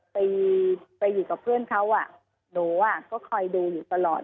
ไปไปอยู่กับเพื่อนเขาอ่ะหนูอ่ะก็คอยดูอยู่ตลอด